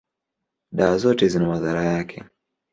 dawa zote zina madhara yake.